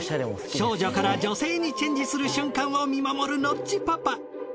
少女から女性にチェンジする瞬間を見守るノッチパパ。